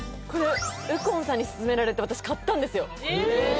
これ右近さんに薦められて私買ったんですよ